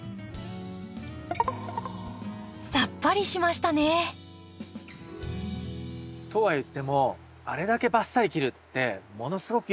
さっぱりしましたね！とはいってもあれだけバッサリ切るってものすごく勇気がいると思うんですよね。